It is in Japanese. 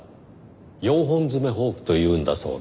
４本爪フォークと言うんだそうです。